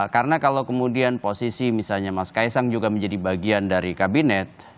karena kalau kemudian posisi misalnya mas kaya sang juga menjadi bagian dari kabinet